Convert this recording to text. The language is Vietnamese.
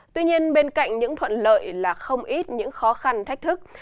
tuy nhiên bên cạnh những thuận lợi là không ít những khó khăn thách thức